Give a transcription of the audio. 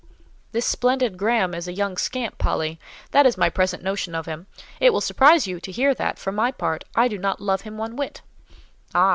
"This splendid Graham is a young scamp, Polly—that is my present notion of him: it will surprise you to hear that, for my part, I do not love him one whit. Ah!